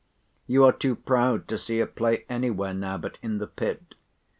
"You are too proud to see a play anywhere now but in the pit.